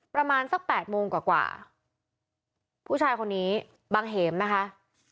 ประมาณสักแปดโมงกว่าผู้ชายคนนี้บังเหมนะคะ